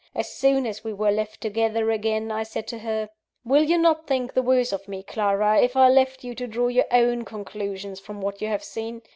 As soon as we were left together again, I said to her: "Will you not think the worse of me, Clara, if I leave you to draw your own conclusions from what you have seen?